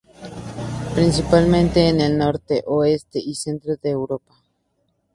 Principalmente en el norte, oeste y centro de Europa.